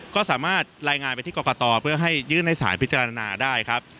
ก็สามารถรายงานไปที่กรกตเพื่อให้ยื่นให้สารพิจารณาได้ครับ